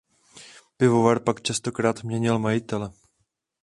Pivovar pak častokrát měnil majitele.